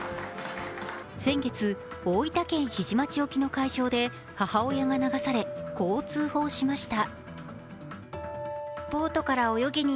先月、大分県日出町沖の海上で母親が流され、こう通報しました。